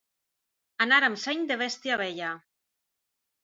Anar amb seny de bèstia vella.